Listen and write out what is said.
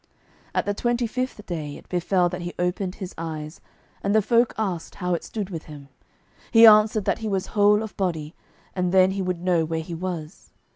At the twenty fifth day it befell that he opened his eyes, and the folk asked how it stood with him. He answered that he was whole of body, and then he would know where he was.